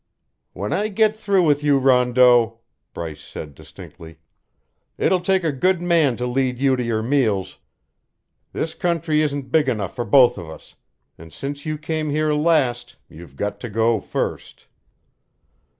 "When I get through with you, Rondeau," Bryce said distinctly, "it'll take a good man to lead you to your meals. This country isn't big enough for both of us, and since you came here last, you've got to go first."